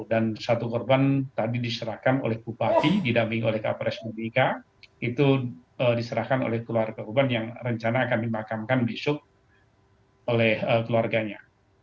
dan satu korban tadi diserahkan oleh bupati didamping oleh kapres mubika itu diserahkan oleh keluarga korban yang rencana akan dimakamkan besok oleh keluarganya